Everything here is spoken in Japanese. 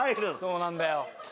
そうなんだよ。